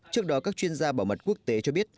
trước đó các chuyên gia bảo mật quốc tế cho biết